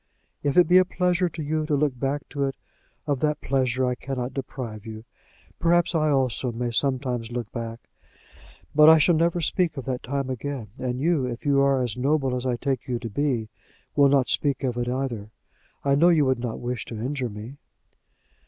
If it be a pleasure to you to look back to it, of that pleasure I cannot deprive you. Perhaps I also may sometimes look back. But I shall never speak of that time again; and you, if you are as noble as I take you to be, will not speak of it either. I know you would not wish to injure me."